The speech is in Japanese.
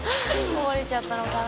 こぼれちゃったのかな？